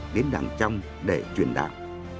đến đảng trong để truyền đạo